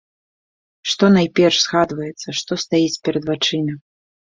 Што найперш згадваецца, што стаіць перад вачыма?